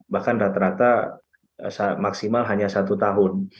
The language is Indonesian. bahkan rata rata maksimal hanya satu tahun